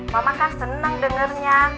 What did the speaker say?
mama kan seneng dengernya